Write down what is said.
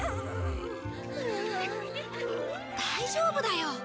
大丈夫だよ。